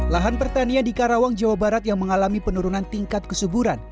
lahan pertanian di karawang jawa barat yang mengalami penurunan tingkat kesuburan